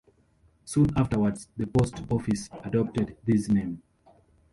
Soon afterwards the post office adopted this name.